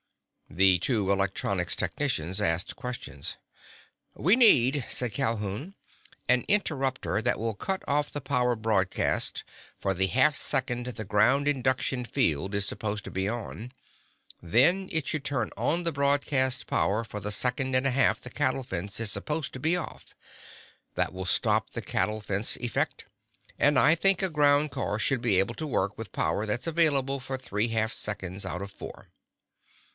The two electronics technicians asked questions. "We need," said Calhoun, "an interruptor that will cut off the power broadcast for the half second the ground induction field is supposed to be on. Then it should turn on the broadcast power for the second and a half the cattle fence is supposed to be off. That will stop the cattle fence effect, and I think a ground car should be able to work with power that's available for three half seconds out of four."